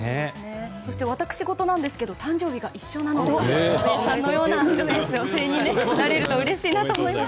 そして、私事なんですけど誕生日が一緒なので草笛さんのような女性になれるとうれしいなと思います。